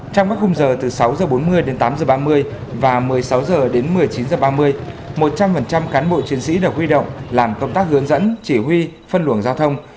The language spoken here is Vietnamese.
trong các khung giờ từ sáu h bốn mươi đến tám h ba mươi và một mươi sáu h đến một mươi chín h ba mươi một trăm linh cán bộ chiến sĩ được huy động làm công tác hướng dẫn chỉ huy phân luồng giao thông